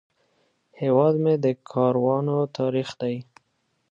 هیواد مې د کاروانو تاریخ دی